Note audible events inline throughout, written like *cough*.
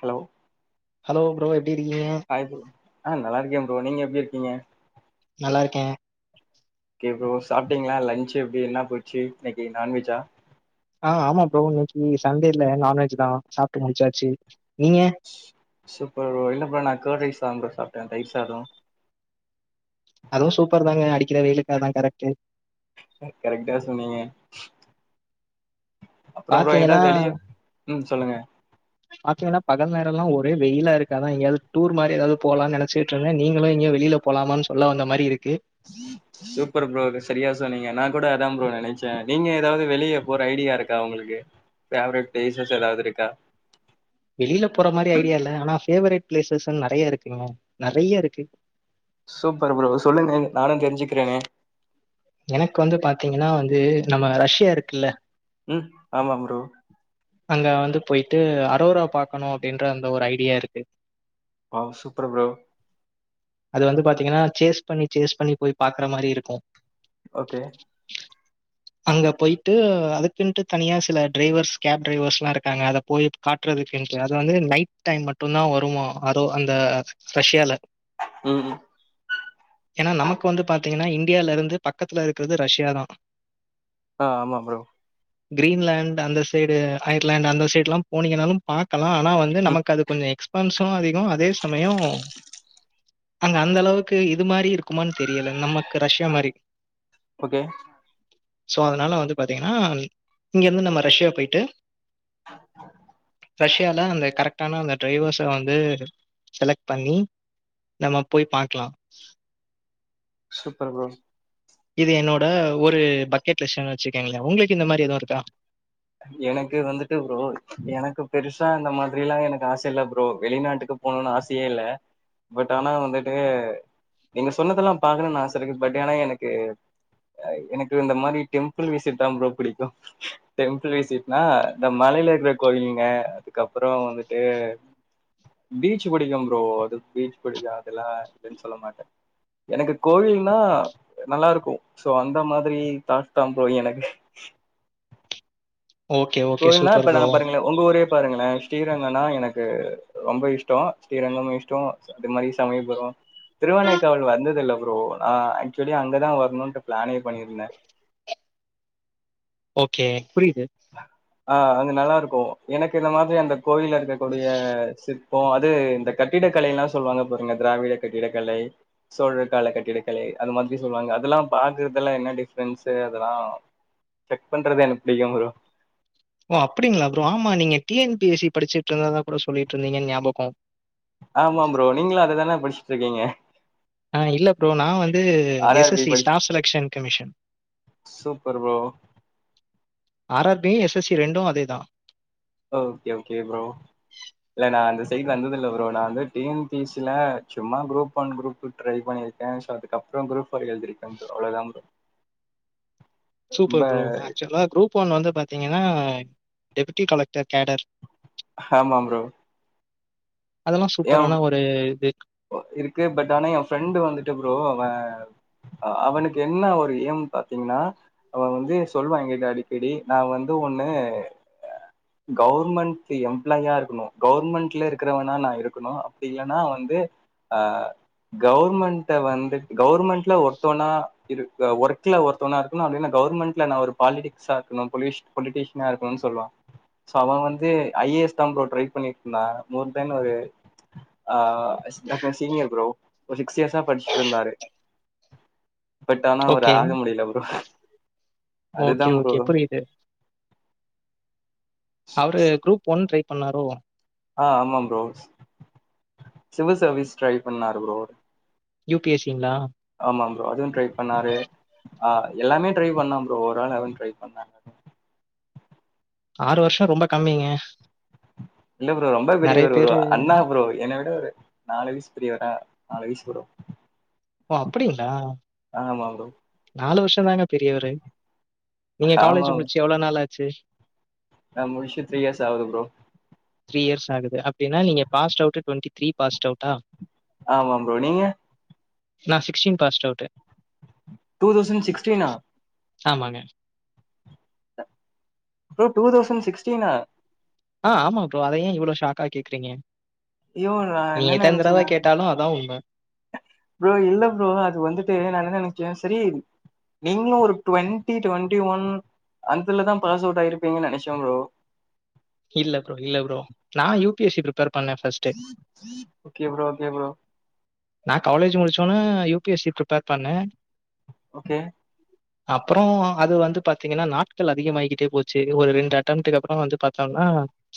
Hello hello பிவேட் இருக்கீங்க hi bro ஆ நல்லாருக்கேன் ப்ரோ நீங்க எப்டி இருக்கீங்க நல்லாருக்கேன் கே ப்ரோ சாப்டீங்களா லஞ்ச் எப்டி என்னா போச்சு இன்னக்கி நான்வெஜ்ஜா ஆ ஆமா ப்ரோ இன்னக்கி சண்டேல நான்வெஜ் தா சாப்டு முடிச்சாச்சு நீங்க? சூப்பர் ப்ரோ நா கேட் ரைஸ்தா ப்ரோ சாப் டேன் தயிர் சாதோம் அதுவும் சூப்பர் தாங்க அடிக்கிற வெயிலுக்க தான் கரெக்ட் கரெக்டா சொன்னீங்க அப்ற ப்ரோ பாத்தீங்கன்னா எங்கிடாது வெளிய ம் சொல்லுங்க பாத்தீங்கன்னா பகல் நேரம்ல ஒரே வெயிலா இருக்கு அதான் எங்கயாது டூர் மாரி எதாவது போலான் நினச்சிட்டு இருந்தேன் நீங்களும் எங்கியோ வெளில போலாமான்னு சொல்ல வந்த மாரி இருக்கு சூப்பர் ப்ரோ சரியா சொன்னீங்க நா கூட அதான் ப்ரோ நினச்சேன் நீங்க ஏதாது வெளிய போற ஐடியா இருக்கா உங்களுக்கு பேவ்ரட் பிளேசஸ் ஏதாது இருக்கா வெளில போற மாரி ஐடியா இல்ல ஆனா பேஃவரட் பிளேசஸ்னு நெறைய இருக்குங்க நெறைய இருக்கு சூப்பர் ப்ரோ சொல்லுங்க நானு தெரிஞ்சுக்கிறேனே எனக்கு வந்து பாத்தீங்கன்னா வந்து நம்ம ரஷ்யா இருக்குல்ல ம் ஆமா ப்ரோ அங்க வந்து போயிட்டு அரோரா பாக்கணு அப்டின்ற அந்த ஒரு ஐடியா இருக்கு ஆ சூப்பர் ப்ரோ அது வந்து பாத்தீங்கன்னா சேஸ் பண்ணி சேஸ் பண்ணி போய் பாக்குற மாரி இருக்கு ஓகே அங்க போயிட்டு அதுக்குன்ட்டு தனியா சில டிரைவர்ஸ் கேப் டிரைவர்ஸ்லா இருக்காங்க அத போய் காட்டுறதுக்குன்டு அது வந்து நைட் டைம் மட்டுந்தா வருமா அதோ அந்த ரெஷ்யால உஹு ஏன்னா நமக்கு வந்து பாத்தீங்கன்னா இந்தியாலருந்து பக்கத்துல இருக்கிறது ரஷ்யாதா ஆ ஆமா ப்ரோ கிரீன்லாண்ட் அந்தஸ் சைடு அயர்லேண்ட் அந்த சைட்லா போனீங்கனாலு பாக் கலா வந்து ம் நமக்கு அது கொஞ்சோ எக்ஸ்பன்ஸ் டமு அதிகோ அதே சமயோ அங்க அந்த அளவுக்கு இது மாரி இருக்குமானு தெரியல நமக்கு ரஷ்யா மாரி ஓகே சோ அதனால வந்து பாத்தீங்கன்னா இங்க வந்து நம்ம ரஷ்யா போயி ட்டு ரஷ்யால அந்த கரெக்டான அந்த டிரைவர்ஸ வந்து செலக்ட் பண்ணி நம்ம போய் பாக்கலா சூப்பர் ப்ரோ இது என்னோட ஒரு பக்கெட் லிஷ்ட் வச்சிருக்கேங்களே உங்களுக்கு இந்த மாரி எது இருக்கா எனக்கு வந்துட்டு ப்ரோ எனக்கு பெருசா இந்த மாதிரிலா எனக்கு ஆச இல்ல ப்ரோ வெளிநாட்டுக்கு போணும்னு ஆசயே இல்ல பட் ஆனா வந்துட்டு நீங்க சொன்னதெல்லா பாக்கணும்னு ஆச இருக்கு பட் ஏன்னா எனக்கு எனக்கு இந்த மாதிரி டெம்பிள் விசிட் தா ப்ரோ பிடிக்கு டெம்பிள் வீசிட்னா இந்த மலைல இருக்கிற கோயிலங்க அதுக்கப்பறோ வந்துட்டு பீச் பிடிக்கு ப்ரோ அது பீச் பிடிக்கு அதெல்லா இல்லனு சொல்ல மாட்டே எனக்கு கோவில்னா நல்லாருக்கு சோ அந்த மாதிரி தாட் தா ப்ரோ எனக்கு ஓகே, ஓகே. கோயில்னா சூப்பர் இப்ப ப்ரோ. நாங்க பாருங்கள உங்க ஊரே பாருங்களே ஸ்ரீரங்கம்னா எனக்கு ரொம்ப இஷ்டோ ஸ்ரீரங்கமு இஷ்டோ அது மாரி சமயபுரோ திருவனைக்காவல் வந்தது இல்ல ப்ரோ நா ஆக்சுவலி அங்கதா வரணும்ட்டு பிளானே பண்ணிருந்தே ஓகே புரியுது. ஆ அங்க நல்லா இருக் கோ எனக்கு இந்த மாதிரி அந்த கோயில்ல இருக்கக்கூடிய சிற்போ அது இந்த கட்டிடக்கலைலா சொல்லுவாங்க பாருங்க திராவிட கட்டிடக்கலை சோழக்கால கட்டிடக்கலை அது மாதிரி சொல்லுவாங்க அதெல்லா பாக்குறதெல்லா என்ன டிஃப்ரென்ஸு அதெல்லா செக் பண்றது எனக்கு பிடிக்கு ப்ரோ ஓ அப்படிங்களா ப்ரோ ஆமா நீங்க T N P S C படிச்சுட்டு இருந்தாதா கூட சொல்ட்டு இருந்தீங்கன்னு ஞாபகோ ஆமா ப்ரோ நீங்களு அததான படிச்சுட்டு இருக்கீங்க ஆ இல்ல ப்ரோ நா வந்து R S R S B C படிச் staff selection commission super bro. ஆறார் B S S C ரெண்டு அதேதா ஓகே ஓகே ப்ரோ இல்ல நா அந்த சைட் வந்ததில்ல ப்ரோ நா வந்து டீன் என் பீ ஸில சும்மா குரூப் ஒன் குரூப் ட்ரை பண்ணியிருக்கே சோ அதுக்கப்புறோ குரூப் ஃபோர் எழுதிருக்கே ப்ரோ அவ்ளோதா ப்ரோ ரொம்ப சூப்பர் ப்ரோ ஆக்சுவலா குரூப் ஒன் வந்து பாத்தீங்கன்னா டெப்பூட்டி கலெக்டர் கேடர் ஆமாம் ப்ரோ அதெல்லாம் ஏ சூப்பரான ஒரு இது. இருக்கு பட் ஆனா எ ஃப்ரெண்டு வந்துட்டு ப்ரோ அவே ஆ அவனுக்கு என்ன ஒரு ஏம் பாத்தீங்கன்னா அவ வந்து சொல்லுவா எ கிட்ட அடிக்கடி நா வந்து ஒண்ணு கவர்மெண்ட் எம்ப்ளாயா இருக்கணு கவர்மெண்ட்ல இருக்கிறவனா நா இருக் க்கனு அப்டி இல்லனா வந்து ஆ கவுர்மெண்ட வந்து கவுர்மெண்ட்ல ஒருத்தவா இரு ஒர்க்ல ஒருத்தவா இருக்கனு அப்படின்னா கவுர்மெண்ட்ல நா ஒருபாலிக்டிக்ஸா இருக்கனு பொலிஷ் பொலிடிஷனா இருக்கனுனு சொல்லுவா சோ அவ வந்து ஐ ஏ எஸ் தா ப்ரோ டிரைப்பண்ணி இருந்தா மோர்தன் ஒரு ஆ *unintelligible* சீனியர் ப்ரோ கொலிக் சியசா படிச்சுட்டு இருந்தாரு பட் ஆனா அவர் ஓகே. ஆக முடியல ப்ரோ அதுதா ஓகே, ப்ரோ ஓகே. புரியுது. அவரு குரூப் ஒன் ட்ரை பண்ணாரோ ஆ ஆமா ப்ரோ சிவில் சர்வீஸ் ட்ரை பண்ணாரு ப்ரோ யூ பி எஸ்சிங்களா ஆமா ப்ரோ அதுவு ட்ரை பண்ணாரு ஆ எல்லாமே ட்ரை பண்ணா ப்ரோ ஒரு வேல் அவனு ட்ரை பண்ணா ஆறு வருஷோ ரொம்ப கம்மிங்க இல்ல ப்ரோ ரொம்ப நிறைய பெரியவர் ஒரு பேரு அண்ணா ப்ரோ என்னை விட ஒரு நாலு வயசு பெரியவரா நாலுவயிசு ப்ரோ ஓ அப்படிங்கிளா ஆமா ப்ரோ நாலு வருஷோ தாங்க பெரியவரு நீங்க ஆமா காலேஜ் முடிச்சு எவ்ளவு நாள்ளாச்சு ச்சு நா முடிச்சு த்ரீ இயர்ஸ் ஆவுது ப்ரோ த்ரீ இயர்ஸ் ஆகுது அப்படின்னா நீங்க passed out twenty three passed அவுட்டா ஆமாம் ப்ரோ நீங்க நா sixteen passed out two thousand சிக்ஸ்டீனா ஆமாங்க ப்ரோ டூ தௌசண்ட் சிக்ஸ்டீனா ஆ ஆமா ப்ரோ அத ஏ இவ்வளோ ஷாக்கா கேக்குறீங்க யோ நீங்க என்னன்ன எத்தனை தடவை நினைச்சுன்னா கேட்டாலும் அதான் உண்மை ப்ரோ இல்ல ப்ரோ அது வந்துட்டு நா என்ன நினைச் சரி நீங்களும் ஒரு டுவெண்டி டுவெண்டி ஒன் அந்தலதான் பாஸ் அவுட் ஆயிருப்பீங்கன்னு நினைச்சே ப்ரோ இல்ல ப்ரோ இல்ல ப்ரோ நான் U P S C group okay bro okay bro நா காலேஜ் முடிச்சோன்னு U P S C prepare பண்ணே ஓகே அப்புறோ அது வந்து பாத்தீங்கன்னா நாட்கள் அதிகம்மாகிக்கிட்டே போச்சு ஒரு ரெண்டு அட்டெம்ப்ட்டுக் அப்புறம் வந்து பாார்த்தோம்னா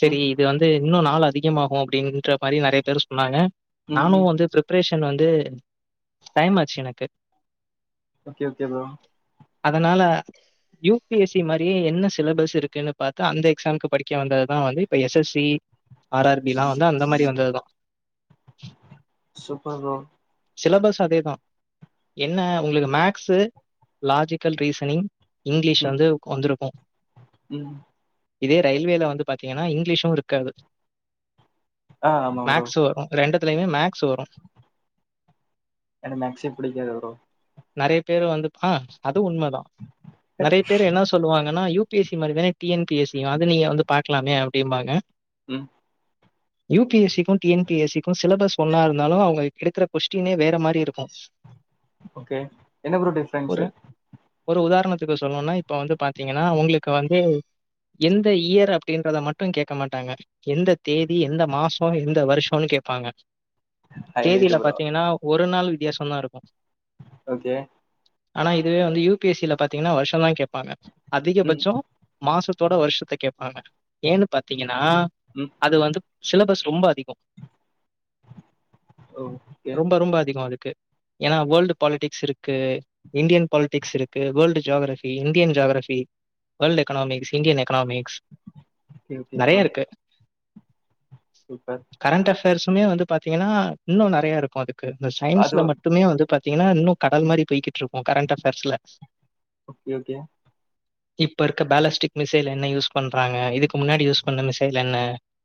சரி ம் இது வந்து இன்னு நாள் அதிகமாகு அப்படின்ற மாதிரி நறைய பேர் சொன்னாங்க ம் ம் நானும் வந்து ப்ரிப் பிரிப்பரேஷன் வந்து டைம் ஆச்சி எனக்கு ஓகே ஓகே ப்ரோ அதனால யூ பி எஸ் சி மாதிரியே என்ன சிலபஸ் இருக்குன்னு பார்த்தா அந்த எக்ஸாம்க்கு படிக்க வந்ததுதா வந்து இப்ப S S C R R B எல்லா வந்து அந்த மாதிரி வந்ததுதா சுப்பர் ப்ரோ சிலபஸ் அதே தா என்ன உங்களுக்கு மேக்ஸு லாஜிக்கல் ரீசனிங் இங்கிலீஷ் ம் வந்து வந்திருக்கு ம் இதே ரயில்வேல வந்து பாரத்தீங்கன்னா இங்கிலீஷு இருக்காது ஆ ஆமா ப்ரோ மேக்ஸ் வரு ரெண்டு லயுமே மேக் ஸு வரு எனக்கு மேக்ஸே பிடிக்காது ப்ரோ நறைய பேர் வந்து ஆ அது உண்மதா நிறைய பேர் என்ன சொல்லுவாங்கன்னா யூ பி எஸ் சி மாறிதான டி என் பி எஸ்யு நீங்க வந்து பாட் இருக்கலாமே அப்படியும்பாங்க ம் யூ பி எஸ் சிக்கு டிஎன் பிஎஸ் சிக்கு சிலபஸ் ஒண்ணா இருந்தாலு அவங்க கிடுக்கற கொஸ்டினே வேற மாறி இருக்கும் ஓகே என்ன ப்ரோ டென்சனா இருச்சு என்ன சொல்லணும்னா இப்ப வந்து பாத்தீங்கன்னா உங்களுக்கு வந்து எந்த இயர் அப்படின்றத மட்டு கேட்க மாட்டாங்க எந்த தேதி எந்த மாசோ எந்த வருஷம்னு கேட்பாங்க ஹைலைட் தேதியில ப்ரோ பாத்தீங்கன்னா ஒரு ஒரு நாள் வித்தியாசம் தான் இருக்கும் ஓகே ஆனா இதுவே வந்து யு பி எஸ் சி ல பாத்தீகன்னா வருஷந்தா கேட் ப்பாங்க ம் அதிகபட்சோ மாசத் த்தோட வருஷத்த கேட்பாங்க ஏன்னு பாத்தீங்கன்னா ம் அது வந்து சிலபஸ் ரொம்ப அதிகோ ஓகே ரொம்ப ரொம்ப அதிகோ அதுக்கு ஏன்னா வேர்ல்டு பாலிடிக்ஸ் இருக்கு இந்தியன் பாலிடிக்ஸ் இருக்கு world geography Indian geography world economics Indian economics இருக்கு ப்ரோ சூப்பர் கரண்ட் அஃபேர்ஸ் இப்பமே வந்து பாத்தீங்கன்னா இன்னு நறைய இருக்கு அது இந்த அது சயின்ஸ்ல மட்டுமே வந்து பாத்தீங்கன்னா இன்னு கடல் ம் மாதிரி போய்கிட்டு இருக்கு கரண்ட் அஃபேர்ஸ்ல ஓகே ஓகே இப்ப இருக்க பேலிஸ்டிக் மிசைல் என்ன யூஸ் பண்றாங்க இதுக்கு முன்னாடி யூஸ் பண்ண மிசைல் என்ன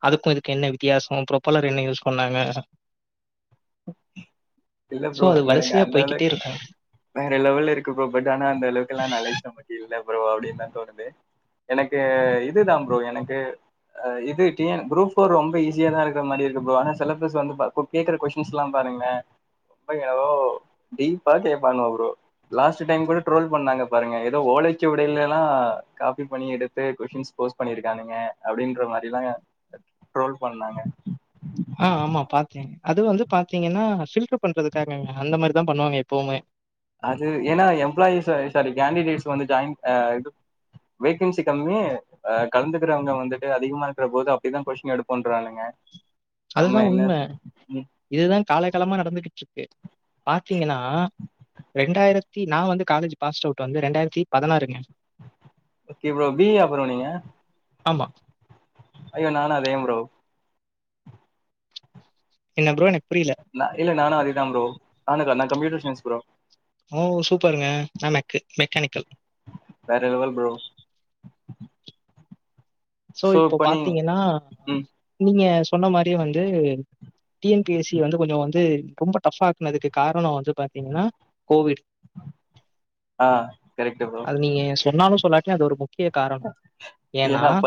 அதுக்கு இதுக்கு என்ன வித்தியாசோ ப்ரப்போலர் என்ன யூஸ் பண்னாங்க *inaudible* இல்ல சோ, ப்ரோ அது எனக்கு வரிசையா அந்த போய்க்கிட்டே அளவுக்கு இருக்கும். வேற லெவல் இருக்கு ப்ரோ பட் ஆனா அந்த அளவுக்குலா நாலேஜ் நம்மட்டல்ல ப்ரோ அப்படின்னு தா தோணுது எனக்கு இதுதா ப்ரோ எனக்கு இது டி என் குரூப் ஃபோர் ரொம்ப ஈஸியா தா இருக்கிற மாதிரி இருக்கு ப்ரோ ஆனா சிலபஸ் வந்து கேக்குற கொஸ்டின்ஸ் எல்லா பாருங்க ரொம்ப எனவோ டீப்பா கேப்பாங்க ப்ரோ லாஸ்டு டைம் கூட ட்ரோல் பண்ணாங்க பாருங்க ஏதோ ஓலை சுவடிலலா காபி பண்ணி எடுத்து கொஸ்ட்டின் போஸ்ட் பண்ணிருக்கானுங்க அப்படின்ற மாரிலா ட்ரோல் பண்ணாங்க ஆ ஆமா பாத்தேங் அது வந்து பாத்தீங்கன்னா ஃபில்டர் பண்றதுக்காக அந்த மாரிதா பண்ணுவாங்க எப்பவுமே அது ஏன்னா எம்ப்ளாயிஸ் சாரி கேண்டிடேட்ஸ் வந்து ஜாயின் இது வேகன்சி கம்மி கலந்துக்கறவங்க வந்துட்டு அதிகமா இருக்கிற போது அப்படிதா கொஸ்டின் எடுப்போன்றானுங்க அதுதா நம்ம என்ன உண்ம இதுதா காலங்காலமா நடந்துகிட்டு இருக்கு பாத்தீங்கன்னா ரெண்டாயிரத்தி நா வந்து காலேஜ் பாஸ் அவுட் வந்து ரெண்டாயிரத்தி பதினாறுங்க பீ இ ஆ புறோ நீங்க ஆமா ஐயோ நானா அதேம்ப்ரோ என்ன ப்ரோஎனக் இல்ல நானு அதேதா ப்ரோ அவனுக்கா நா கம்யூட்டர் சயின்ஸ் புரோ ஓ சூப்பருங்க நா மெக் மெக்கானிக்கல் வேற லெவல் ப்ரோ சோ இப்போ இப்ப நீ பாத்தீங்கன்னா ம் நீங்க சொன்ன மாரியே வந்து டி என் பி எஸ்சி வந்து கொஞ்ச வந்து ரொம்ப டஃப் ஆக்குனதுக்கு காரணோ வந்து பாத்தீங்கன்னா கோவிட் ஆ கரெக்ட்டு புரோ க அது ஒரு பொ க்கிய காரணோ ஏன்னா அப்ப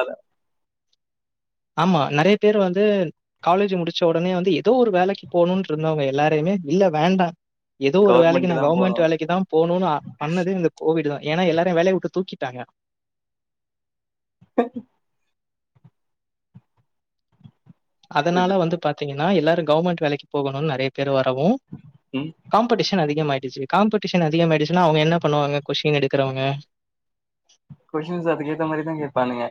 ஆமா நறைய பேர் வந்து காலேஜ் முடிச்ச உடனே வந்து ஏதோ ஒரு வேலைக்கு போணும்னு இருந்தவங்க எல்லாரையுமே இல்ல வேண்டா ஏதோ ஒரு வேலைக்கு நா கவர்மெண்ட்க்கு தா போனு கவர்மெண்ட் வேலைக்கு தா போணும்னு பண்ணதே இந்த கோவிட் தா ஏனா எல்லாரையு வேலைய விட்டு தூக்கிட்டாங்க *unintelligible* இது அதனால வந்து பாத்தீங்க நா எல்லாரு கவர்மெண்ட வேலைக்கு போகணுன் நறைய பேர் பேர் வரவு ம் காம்படிஷன் அதிக் கமாயிடுச்சு காம்படிஷன் அதிகம்யிடுச்சுன்னா அவங்க என்ன பண்ணுவாங்க கொஷின் எடுக்கிறவங்க கொஷின்ஸ் அதுக்கேத்த மாரிதா கேப்பானுங்க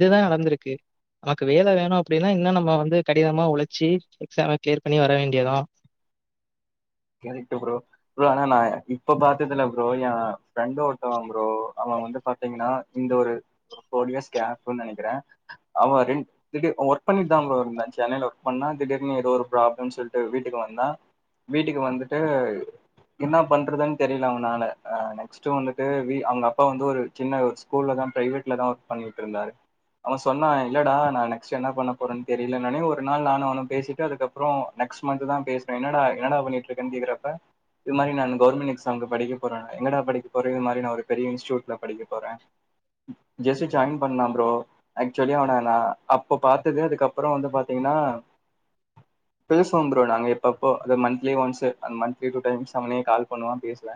இதுதா நடந்திருக்கு நமக்கு வேல வேணு அப்டின்னா இன்னு நம்ம வந்து கடினமா உழைச்சி எக்ஸாம் கிளியர் பண்ணி வர வேண்டியதா கெராடு ப்ரோ ப்ரோ ஆனா நா இப்ப பாத்ததுல ப்ரோ என் ஃப்ரெண்ட ஒருத்தவ ப்ரோ அவ வந்து பாத்தீங்கன்னா இந்த ஒரு ஃபோர் இயஸ் கேப்ன்னு நனைக்கிறே அவ ரென்டுடு ஒர்க் பண்ணிட்டு தா ப்ரோ இருந்தா சென்னைல ஒர்க் பண்ணா திடீர்னு ஏதோ ஒரு ப்ராப்ளம்னு சொல்லிட்டு வீட்டுக்கு வந்தா வீட்டுக்கு வந்துட்டு என்ன பண்ணுறதுன்னு தெரியல அவனால நெக்ஸ்ட்டு வந்துட்டு வீ அவங்க அப்பா வந்து ஒரு சின்ன ஒரு ஸ்கூல தா ப்ரைவேட்ல தா ஒர்க் பண்ணிகிக்கிட்டுருந்தாரு அவ சொன்னா இல்லடா நா நெக்ஸ்ட் என்ன பண்ண போறேன்னு தெரியலைனானே ஒரு நாள் நானு அவனு பேசிட்டு அதுக்கப்புற நெக்ஸ்ட் மந்த்து தா பேசுனே என்னடா எனடா பணிட்ருக்கனு கேக்குறப்ப இதுமாரி நானு கவெர்மென் எக்சாமூகு படிகப்போற எங்கடா படிகப்போற இந்தமாரி நா பெரிய இன்ஸ்டூட்ல படிகப்போற ஜஸ்ட் ஜாய்ன் பண்னலா ப்ரோ ஆக்சுவளி அவன நா அப்போ பாத்தது அதுக்கப்பற பெருசுன்ற நாங்க இப்போ இப்போ அ மந்த்லி ஒன்ஸ் அந்த மந்த்லி டூ டிம்ஸ் அவனே கால் பண்ணுவா பேசுவே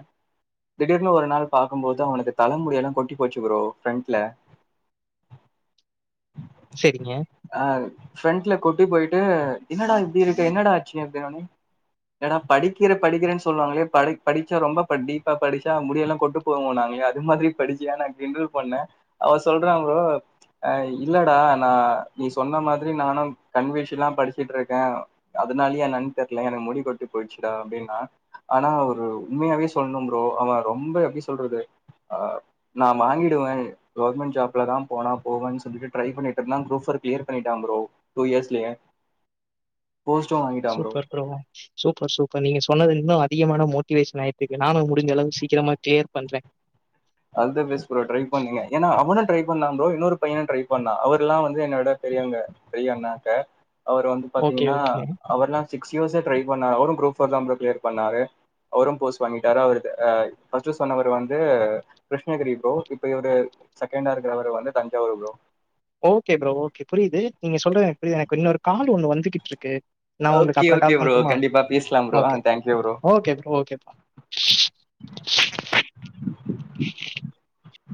திடீர்னு ஒரு நாள் பாக்கு போது அவனுக்கு தலைமுடி எல்லா கொட்டி போச்சு ப்ரோ ப்ரெண்ட்ல சரிங்க. அ ஃப்ரண்ட்ல கொட்டி போயிட்டு என்னடா இப்படி இருக்கு என்னடா ஆச்சு அப்டினோனே இல்லடா படிக்கிற படிக்கிறேன்னு சொல்லுவாங்களே ப படிச்சா ரொம்ப டீப்பா படிச்சா முடியெல்லா கொட்டு போவோ நாங்களே அது மாதிரி படிச்சியா நா கிண்டல் பண்ணே அவ சொல்றா ப்ரோ அ இல்லடா ஆ நீ சொன்ன மாதிரி நானு கண்வீழ்ச்சிலா படிச்சிட்டு இருக்கே அதனாலயோ என்னன் தெர்ல எனக்கு மு முடிகொட்டி போய்ச்சுடா அப்டின்னா ஆனா அவ உண்மையாவே சொல்லணும் ப்ரோ அவ ரொம்ப எப்படி சொல்றது ஆ நா வாங்கிடுவே கவர்மெண்ட் ஜாப்ல தா போனா போவேனு சொல்லிகிடு ட்ரெய் பண்ணிட்டு நல்லா குருப்போர் கிளியர் பண்ணிட்டா ப்ரோ டூ இயர்ஸ்லயே போஸ்டு வாங்கிட்டா ப்ரோ சூப்பர் சூப்பர் நீங்க சொன்னது இன்னு அதிகமான மோட்டிவேஷன் ஆயிட்டுச்சிங்க நானு முடிஞ்ச அளவு சீக்கிரமா கிளியர் பண்றே all the best bro try பண்ணுங்க ஏன்னா அவனும் ட்ரை பண்ணா ப்ரோ இன்னொரு பைய ட்ரை பண்ணா அவர் எல்லா வந்து என்னோட பெரியவங்க பெரியண்ணாக்க அவரு வந்து ஓகே, பாத்தீங்கன்னா ஓகே. அவர்ல்லா சிக்ஸ் இயர்ஸா ட்ரை பண்ணாரு அவரு குரூப்போர் தா ப்ரோ கிளியர் பண்ணாரு அவரு போஸ்ட் வாங்கிட்டாரு அவர் ஃபஸ்ட்டு சொன்னவரு வந்து கிருஷ்ணகிரி ப்ரோ இப்ப இவ செகண்டா இருகுறவர் வந்து Thanjavur bro okay bro okay புரியுது நீங்க சொல்றது எனக்கு புரியுது இன்னொரு கால் ஒண்ணு வந்துகிட்டு இருக் க்கு நா உங்களுக்கு ஓகே அப்புறோ ஓகே கால் ப்ரோ பண்ணட்டுமா கண்டிப்பா பேசலாம் ப்ரோ ஆ okay thank you bro okay okay